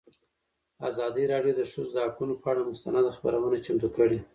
ازادي راډیو د د ښځو حقونه پر اړه مستند خپرونه چمتو کړې.